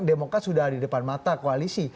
demokrat sudah ada di depan mata koalisi